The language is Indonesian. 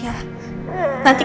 nanti kita ketemu